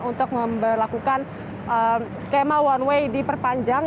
untuk melakukan skema one way di perpanjang